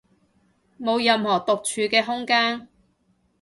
冇任何獨處嘅空間